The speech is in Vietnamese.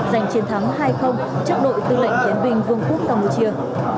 giành chiến thắng hai trước đội tư lệnh chiến binh vương quốc campuchia